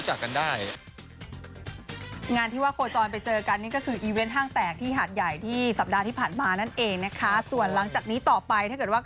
ไม่ต้องระวังหรอกครับก็คือถ้าเราไม่ได้ทำอะไรผิด